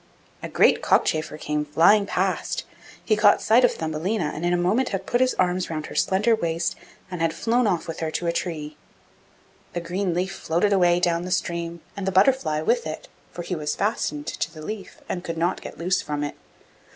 A great cockchafer came flying past; he caught sight of Thumbelina, and in a moment had put his arms round her slender waist, and had flown off with her to a tree. The green leaf floated away down the stream, and the butterfly with it, for he was fastened to the leaf and could not get loose from it.